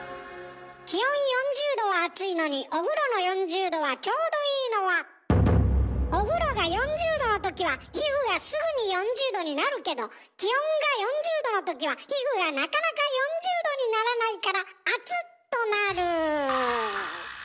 気温４０℃は暑いのにお風呂の４０℃はちょうどいいのはお風呂が４０℃のときは皮膚がすぐに４０℃になるけど気温が４０℃のときは皮膚がなかなか４０℃にならないから「暑っ！」となる。